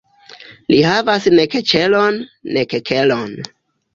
Li havas nek ĉelon, nek kelon.